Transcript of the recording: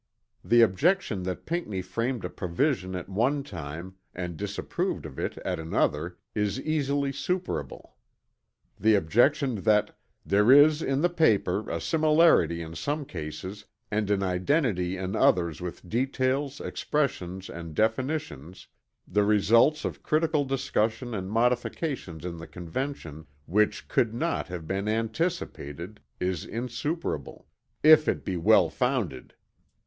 The objection that Pinckney framed a provision at one time and disapproved of it at another is easily superable: the objection that "there is in the paper a similarity in some cases and an identity in others with details, expressions and definitions, the results of critical discussion and modification in the Convention which could not have been anticipated," is insuperable if it be well founded.